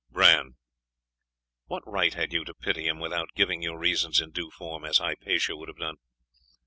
Bran! What right had you to pity him without giving your reasons in due form, as Hypatia would have done?